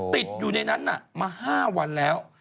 ติดอยู่ในนั้นมา๕วันแล้ว